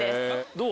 どう？